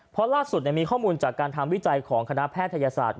เพราะล่าสุดมีข้อมูลจากการทำวิจัยของคณะแพทยศาสตร์